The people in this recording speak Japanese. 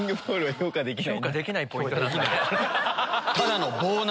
評価できないポイントなんだね。